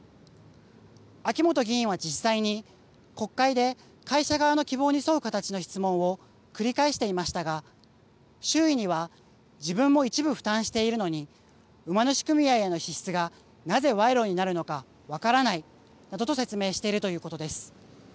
秋本議員は実際に国会で会社側の希望に沿う形の質問を繰り返していましたが周囲には自分も一部負担しているのに馬主組合への支出がなぜ賄賂になるのか分からないなどと説明しているということです。